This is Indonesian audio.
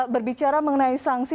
berbicara mengenai sanksi